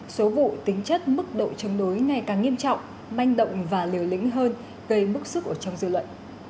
số vụ tính chất mức độ chống đối ngày càng nghiêm trọng manh động và liều lĩnh hơn gây bức xúc ở trong dư luận